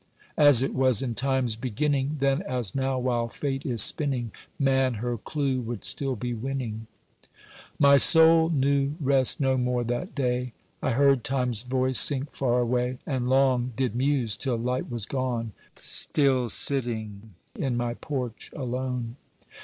As it was in Time's beginning, Then, as now, while Fate is spinning Man her clue would still be winning. My soul knew rest no more that day. I heard Time's voice sink far away, And long did muse till light was gone, Still sitting in my porch alone.